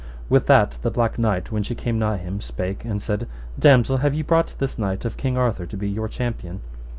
With that the Black Knight, when she came nigh him, spake and said, Damosel, have ye brought this knight of King Arthur to be your champion?